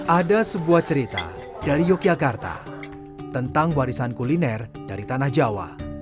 ada sebuah cerita dari yogyakarta tentang warisan kuliner dari tanah jawa